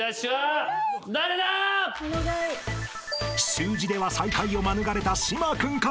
［習字では最下位を免れた島君か？］